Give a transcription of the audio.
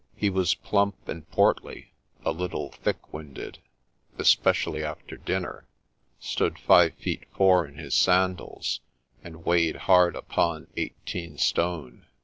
He was plump and portly, a little thick winded, especially after dinner, — stood five feet four in his sandals, and weighed hard upon eighteen stone.